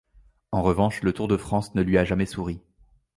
En revanche, le Tour de France ne lui a jamais souri.